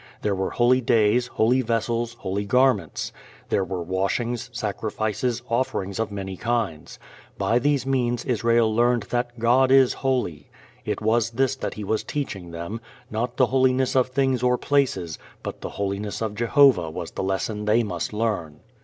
There were holy days, holy vessels, holy garments. There were washings, sacrifices, offerings of many kinds. By these means Israel learned that God is holy. It was this that He was teaching them. Not the holiness of things or places, but the holiness of Jehovah was the lesson they must learn.